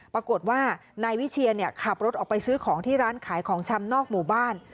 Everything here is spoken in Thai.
ปรากฏว่านายวิเชียนขับรถออกไปซื้อของที่ร้านขายของชำนอกหมู่บ้าน